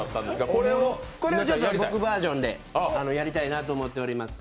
これを僕バージョンでやりたいなと思っております。